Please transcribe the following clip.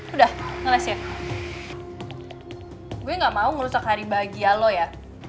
udah ngeles ya gue gak mau merusak hari bahagia lo ya